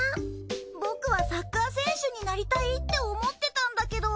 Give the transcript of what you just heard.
僕はサッカー選手になりたいって思ってたんだけど。